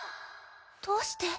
どうして？